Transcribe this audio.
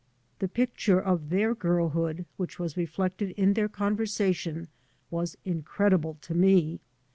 The picture of their girlhood which was reflected in their conversation was incredible to me.